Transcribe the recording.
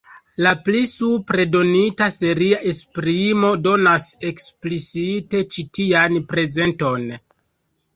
La pli supre donita seria esprimo donas eksplicite ĉi tian prezenton.